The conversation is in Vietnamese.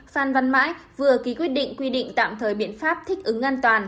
phan văn mãi vừa ký quyết định quy định tạm thời biện pháp thích ứng an toàn